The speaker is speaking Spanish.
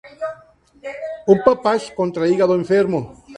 Umpa-pah contra Hígado Enfermo.